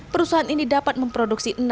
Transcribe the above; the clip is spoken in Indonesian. perusahaan ini dapat memproduksi